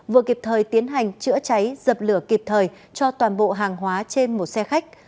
vừa kịp thời tiến hành chữa cháy dập lửa kịp thời cho toàn bộ hàng hóa trên một xe khách